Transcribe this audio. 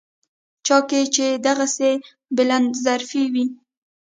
چا کې چې دغسې بلندظرفي وي.